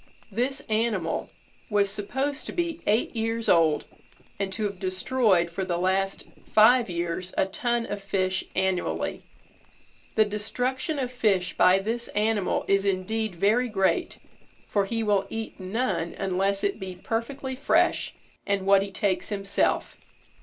This animal was supposed to be eight years old, and to have destroyed for the last five years a ton of fish annually. The destruction of fish by this animal is, indeed, very great, for he will eat none unless it be perfectly fresh, and what he takes himself.